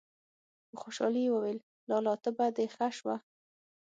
په خوشالي يې وويل: لالا! تبه دې ښه شوه!!!